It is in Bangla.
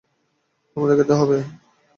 আমাদের খেতে হবে।